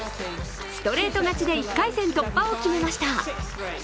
ストレート勝ちで１回戦突破を決めました。